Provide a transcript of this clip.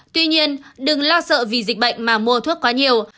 tuy nhiên đừng lo sợ vì dịch bệnh mà mua thuốc quá nhiều